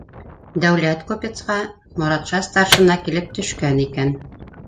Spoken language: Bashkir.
Дәүләт купецҡа Моратша старшина килеп төшкән икән.